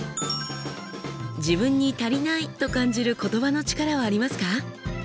自分に足りないと感じる言葉の力はありますか？